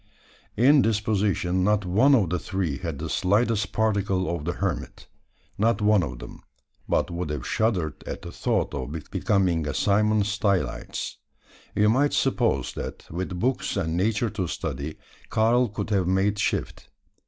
In disposition not one of the three had the slightest particle of the hermit. Not one of them, but would have shuddered at the thought of becoming a Simon Stylites. You might suppose that, with books and Nature to study, Karl could have made shift.